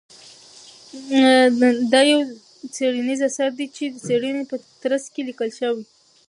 دا يو څېړنيز اثر دى چې د څېړنې په ترڅ کې ليکل شوى.